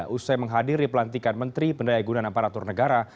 usai menghadiri pelantikan menteri pendayagunan amparatur negara